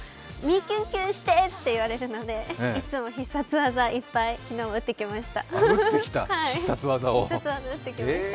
キュンキュンしてって言われるのでいつもの必殺技を打ってきました。